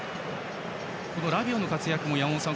ラビオの活躍も山本さん